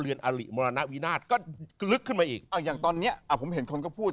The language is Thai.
เรือนอริมรณวินาศก็ลึกขึ้นมาอีกอย่างตอนนี้ผมเห็นคนก็พูด